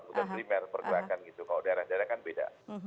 sudah primer pergerakan gitu kalau daerah daerah kan beda